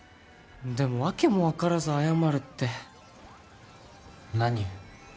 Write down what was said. でもわけも分からず謝るって何？